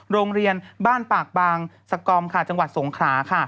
โรงเรียนบ้านปากบางสกอมค่ะจังหวัดสงขลาค่ะ